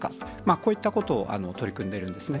こういったことを取り組んでいるんですね。